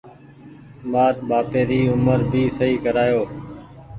مآر ٻآپي ري اومر ڀي سئي ڪرايو۔